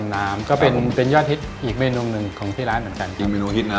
นะครับ